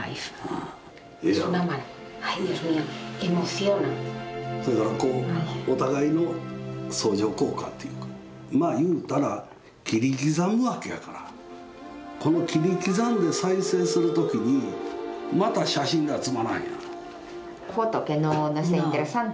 せやからこうお互いの相乗効果というかまあ言うたら切り刻むわけやからこの切り刻んで再生する時にまた写真ではつまらんやん。